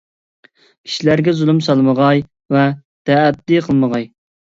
كىشىلەرگە زۇلۇم سالمىغاي ۋە تەئەددى قىلمىغاي.